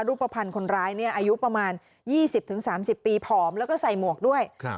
รูปภัณฑ์คนร้ายเนี่ยอายุประมาณยี่สิบถึงสามสิบปีผอมแล้วก็ใส่หมวกด้วยครับ